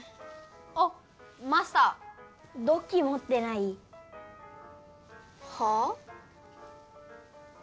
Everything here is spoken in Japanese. あっマスター土器もってない？はあ？